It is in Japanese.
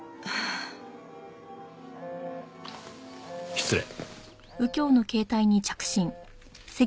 失礼。